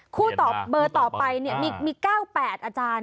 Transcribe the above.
คู่เบอร์ต่อไปเนี่ยมี๙๘อาจารย์